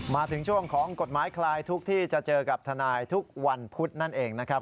มาถึงช่วงของกฎหมายคลายทุกข์ที่จะเจอกับทนายทุกวันพุธนั่นเองนะครับ